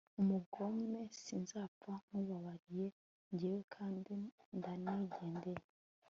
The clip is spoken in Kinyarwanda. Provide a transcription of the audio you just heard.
umugome sinzapfa nkubabariye njyewe kandi ndanigendeye